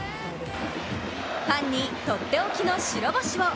ファンにとっておきの白星を。